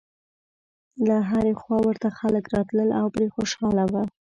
له هرې خوا ورته خلک راتلل او پرې خوشاله و.